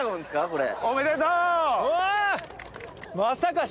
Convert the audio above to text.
これ。